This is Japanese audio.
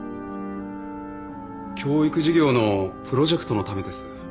教育事業のプロジェクトのためです。